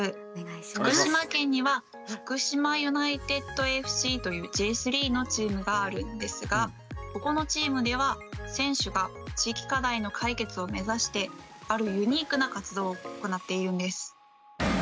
福島県には福島ユナイテッドＦＣというＪ３のチームがあるんですがここのチームでは選手が地域課題の解決を目指してあるユニークな活動を行っているんです。